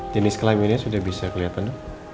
jenis kelaminnya sudah bisa kelihatan dok